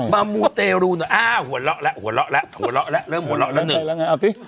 มามูเตลูปนะเอ้าหัวเราะและเริ่มหัวเราะละหนึ่ง